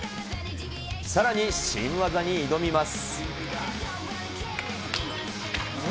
さらに新技に挑みます。